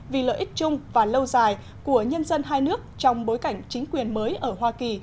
vì lợi ích chung và lâu dài của nhân dân hai nước trong bối cảnh chính quyền mới ở hoa kỳ